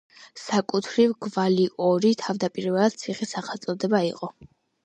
საკუთრივ გვალიორი თავდაპირველად ციხის სახელწოდება იყო.